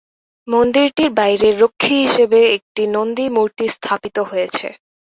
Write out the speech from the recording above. মন্দিরটির বাইরে রক্ষী হিসেবে একটি নন্দী মূর্তি স্থাপিত রয়েছে।